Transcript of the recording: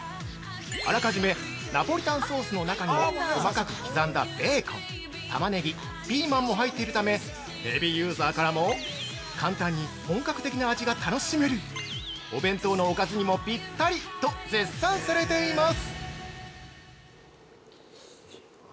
あらかじめナポリタンソースの中にも細かく刻んだベーコンタマネギ、ピーマンも入っているためヘビーユーザーからも「簡単に本格的な味が楽しめる」「お弁当のおかずにもピッタリ」と、絶賛されています！